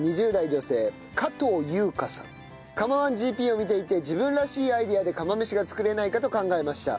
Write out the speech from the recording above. １ＧＰを見ていて自分らしいアイデアで釜飯が作れないかと考えました。